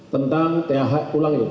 tentang thh ulangi